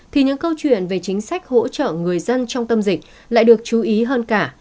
thì những câu chuyện về chính sách hỗ trợ người dân trong tâm dịch lại được chú ý hơn cả